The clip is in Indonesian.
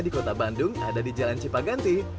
di kota bandung ada di jalan cipaganti